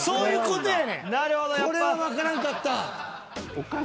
これはわからんかった。